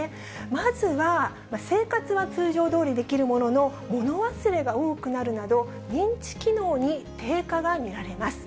まずは生活は通常どおりできるものの、物忘れが多くなるなど、認知機能に低下がみられます。